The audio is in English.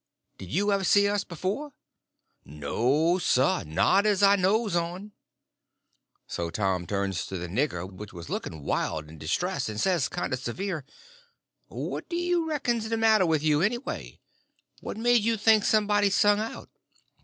"Did you ever see us before?" "No, sah; not as I knows on." So Tom turns to the nigger, which was looking wild and distressed, and says, kind of severe: "What do you reckon's the matter with you, anyway? What made you think somebody sung out?"